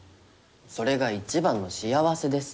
それが一番の幸せです。